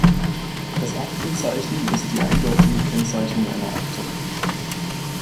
Das Aktenzeichen ist die eindeutige Kennzeichnung einer Akte.